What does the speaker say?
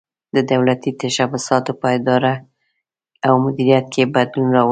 د دولتي تشبثاتو په اداره او مدیریت کې بدلون راولي.